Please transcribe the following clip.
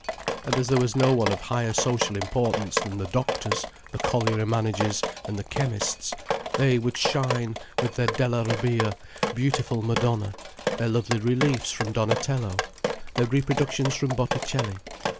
And as there was no one of higher social importance than the doctors, the colliery managers, and the chemists, they would shine, with their Della Robbia beautiful Madonna, their lovely reliefs from Donatello, their reproductions from Botticelli.